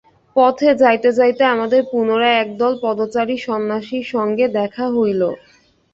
পথে যাইতে যাইতে আমাদের পুনরায় একদল পদচারী সন্ন্যাসীর সঙ্গে দেখা হইল।